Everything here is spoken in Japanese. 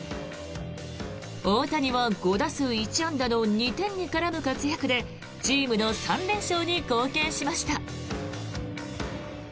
大谷は５打数１安打の２点に絡む活躍でチームの３連勝に貢献しました。